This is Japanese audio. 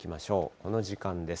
この時間です。